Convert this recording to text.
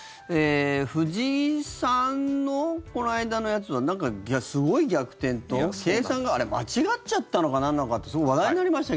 藤井さんのこの間のやつはなんかすごい逆転と計算が、あれ間違っちゃったのかなんなのかってそうなんです。